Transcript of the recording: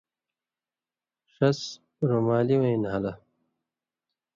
ݜس رُمالی وَیں نھالہ